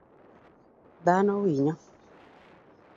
Dhano winyo